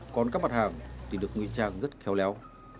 còn các mặt hàng thì được nguyên trang rất khéo léo